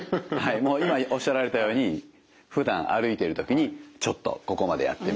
今おっしゃられたようにふだん歩いてる時にちょっとここまでやってみよう。